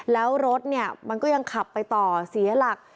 แล้วรถเนี่ยมันก็ยังขับไปต่อเสียหลัก